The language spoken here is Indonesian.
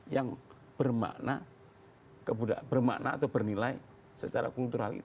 yang bermakna bermakna atau bernilai secara kultural itu